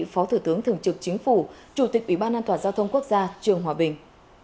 phó thủ tướng thường trực chính phủ chủ tịch ủy ban an toàn giao thông quốc gia trường hòa bình